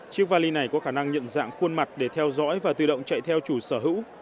chiếc vali này có khả năng nhận dạng khuôn mặt để theo dõi và tự động chạy theo chủ sở hữu